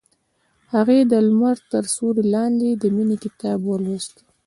هغې د لمر تر سیوري لاندې د مینې کتاب ولوست.